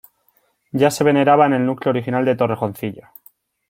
Ya se veneraba en el núcleo original de Torrejoncillo.